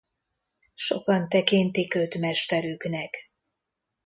Sokan tekintik őt mesterüknek.